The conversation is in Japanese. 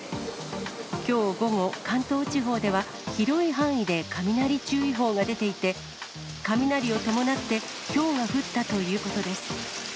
きょう午後、関東地方では広い範囲で雷注意報が出ていて、雷を伴って、ひょうが降ったということです。